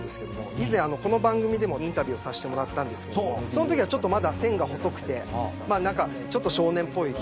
以前この番組でもインタビューさせてもらったんですけどそのときは線が細くてちょっと少年っぽい。